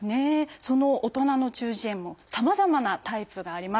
その大人の中耳炎もさまざまなタイプがあります。